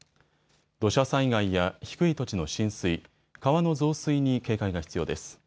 土砂災害や低い土地の浸水、川の増水に警戒が必要です。